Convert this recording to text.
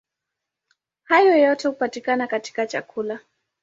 Hayo yote hupatikana katika chakula.